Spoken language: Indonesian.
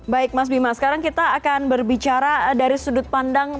baik mas bima sekarang kita akan berbicara dari sudut pandang